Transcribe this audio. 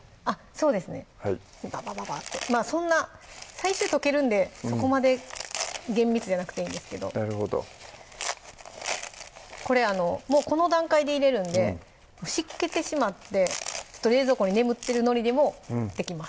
そうですねババババッてそんな最終溶けるんでそこまで厳密じゃなくていいんですけどなるほどこれこの段階で入れるんで湿気てしまって冷蔵庫に眠ってるのりでもできます